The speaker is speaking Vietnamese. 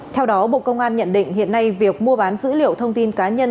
theo đó bộ công an nhận định hiện nay việc mua bán dữ liệu thông tin cá nhân